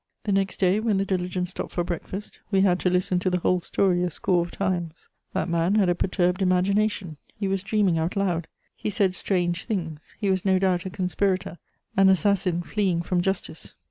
The next day, when the diligence stopped for breakfast, we had to listen to the whole story a score of times: "That man had a perturbed imagination; he was dreaming out loud; he said strange things; he was no doubt a conspirator, an assassin fleeing from justice."